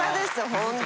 ホントに。